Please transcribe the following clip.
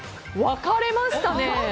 分かれましたね。